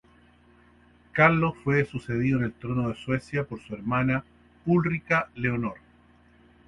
Carlos fue sucedido en el trono de Suecia por su hermana, Ulrica Leonor.